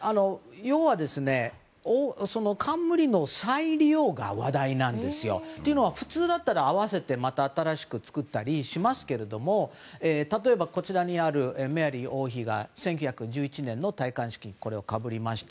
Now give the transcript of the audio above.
要は、冠の再利用が話題なんですよ。というのは普通だったら合わせてまた新しく作ったりしますけれども例えば、こちらにあるメアリー王妃が１９１１年の戴冠式でこれをかぶりました。